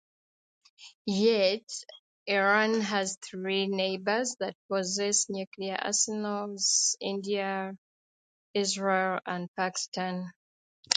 Yet Iran has three neighbors that possess nuclear arsenals-India, Israel, and Pakistan.